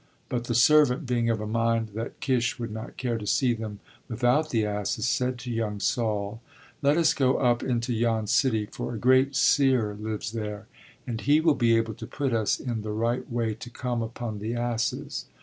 But the servant, being of a mind that Kish would not care to see them without the asses, said to young Saul: let us go up into yon city, for a great seer lives there and he will be able to put us in the right way to come upon the asses.